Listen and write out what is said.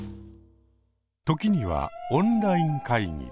時にはオンライン会議で。